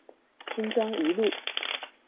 新莊一路